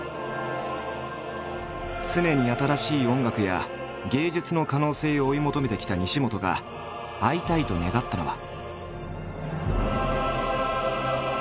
常に新しい音楽や芸術の可能性を追い求めてきた西本が会いたいと願ったのは。